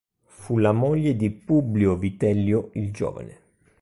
Fu la moglie di Publio Vitellio il Giovane.